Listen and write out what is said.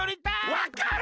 わかる！